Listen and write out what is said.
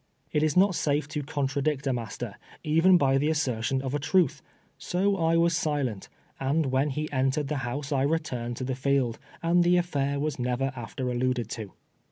It is not safe to contradict a master, even by the assertion of a truth. So I was silent, and when he en tered the house I returned to the field, and the aflair was never after alluded to.